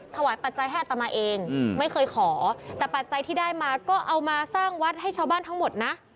ปัจจัยให้อัตมาเองไม่เคยขอแต่ปัจจัยที่ได้มาก็เอามาสร้างวัดให้ชาวบ้านทั้งหมดนะ